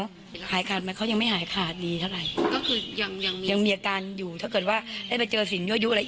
แถะหายขาดแล้วเขายังไม่หายขาดดีเท่าไหร่